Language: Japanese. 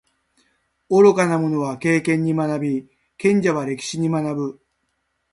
愚か者は経験に学び，賢者は歴史に学ぶ。